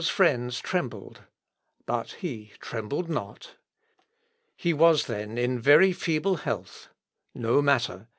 ] Luther's friends trembled, but he trembled not. He was then in very feeble health; no matter.